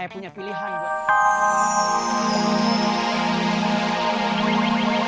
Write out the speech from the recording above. lelaki yang barusan